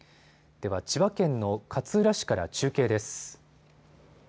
では千葉県の勝浦市から中継です。